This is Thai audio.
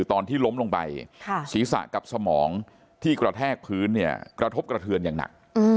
ตอนที่ล้มลงไปศีรษะกับสมองที่กระแทกพื้นเนี่ยกระทบกระเทือนอย่างหนัก